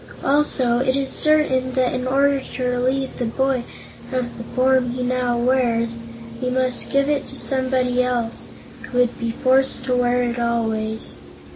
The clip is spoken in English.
Also it is certain that in order to relieve the boy of the form he now wears, we must give it to someone else, who would be forced to wear it always."